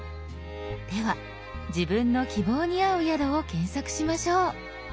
では自分の希望に合う宿を検索しましょう。